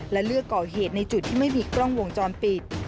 และเลือกก่อเหตุในจุดที่ไม่มีกล้องวงจรปิด